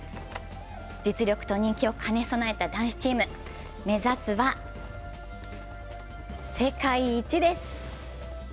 実力と人気を兼ね備えた男子チーム、目指すは世界一です。